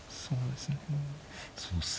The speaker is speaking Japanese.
そうですねうん。